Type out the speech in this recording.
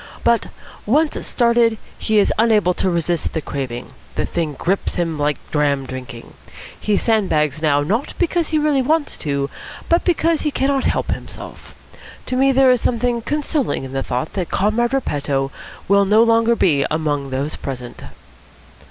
But, once started, he is unable to resist the craving. The thing grips him like dram drinking. He sandbags now not because he really wants to, but because he cannot help himself. To me there is something consoling in the thought that Comrade Repetto will no longer be among those present."